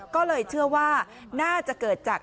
ก็เลยเชื่อว่าน่าจะเกิดจาก